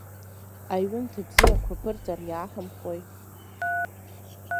Аҩымҭа бзиақәа аԥырҵар иааҳамхәои.